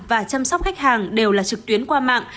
và chăm sóc khách hàng đều là trực tuyến qua mạng